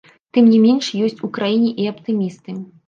Тым не менш, ёсць у краіне і аптымісты.